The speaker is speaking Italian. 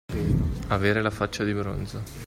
Avere la faccia di bronzo.